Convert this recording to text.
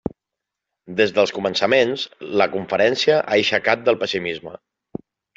Des dels començaments, la conferència ha aixecat del pessimisme.